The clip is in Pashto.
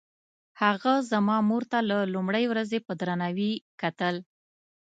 هغه زما مور ته له لومړۍ ورځې په درناوي کتل.